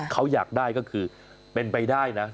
เขาอยากได้ก็คือเป็นไปได้นะ